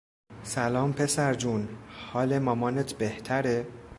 سلام پسرجون ، حال مامانت بهتره ؟